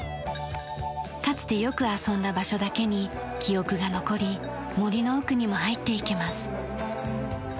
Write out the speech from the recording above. かつてよく遊んだ場所だけに記憶が残り森の奥にも入っていけます。